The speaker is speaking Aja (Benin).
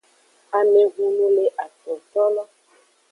Amehunu le atontolo.